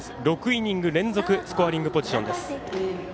６イニング連続スコアリングポジションです。